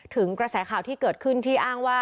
ถึงกระแสข่าวที่เกิดขึ้นที่อ้างว่า